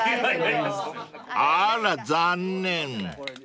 ［あら残念］